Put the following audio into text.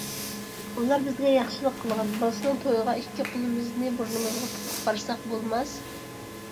ئۇلار بىزگە ياخشىلىق قىلغان، بالىسىنىڭ تويىغا ئىككى قولىمىزنى بۇرنىمىزغا تىقىپ بارساق بولماس.